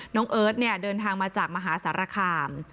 เอิร์ทเนี่ยเดินทางมาจากมหาสารคาม